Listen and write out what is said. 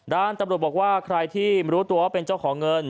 ด้านตำรวจบอกว่าใครที่รู้ตัวว่าเป็นเจ้าของเงิน